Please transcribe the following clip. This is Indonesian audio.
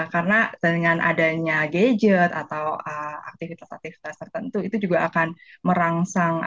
karena dengan adanya gadget atau aktivitas aktivitas tertentu itu juga akan merangsang